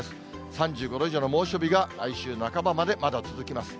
３５度以上の猛暑日が、来週半ばまでまだ続きます。